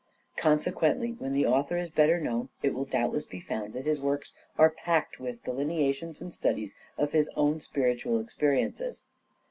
Consequently, when the author is better known, it will doubtless be found that his works are packed with delineations and studies of his own spiritual experiences.